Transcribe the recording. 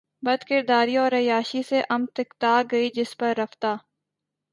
بدکرداری اور عیاشی سے امت اکتا گئ جس پر رفتہ